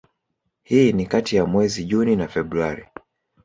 hii ni kati ya mwezi Juni na Februari